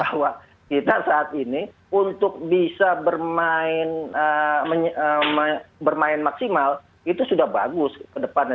bahwa kita saat ini untuk bisa bermain maksimal itu sudah bagus ke depannya